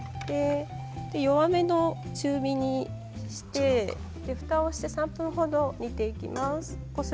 弱めの中火にして、ふたをして３分程、煮ていきます。